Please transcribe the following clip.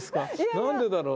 何でだろう。